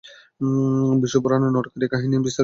বিষ্ণু পুরাণে নরকের এই কাহিনী বিস্তারিত ভাবে বলা হয়েছে।